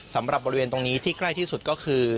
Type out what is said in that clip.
สำหรับบริเวณตรงนี้ที่ใกล้ที่สุดก็คือ